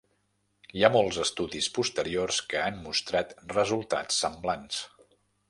Hi ha molts estudis posteriors que han mostrat resultats semblants.